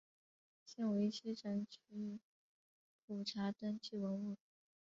现为西城区普查登记文物。